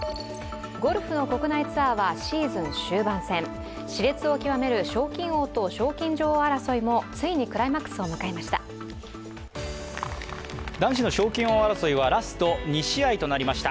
ゴルフの国内ツアーはシーズン終盤戦しれつを極める賞金王と賞金女王争いもついにクライマックスを迎えました。